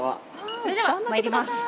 ・それではまいります